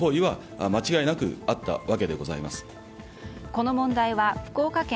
この問題は福岡県